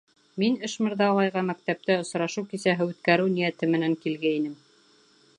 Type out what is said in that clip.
Мин Ишмырҙа ағайға мәктәптә осрашыу кисәһе үткәреү ниәте менән килгәйнем.